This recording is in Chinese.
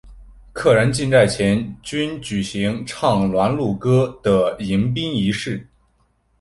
客人进寨前均举行唱拦路歌的迎宾仪式。